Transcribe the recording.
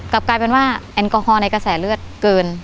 ที่มอในกระแสเลือดเกิน